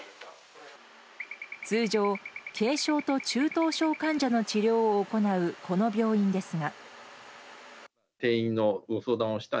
通常軽症と中等症患者の治療を行うこの病院ですが。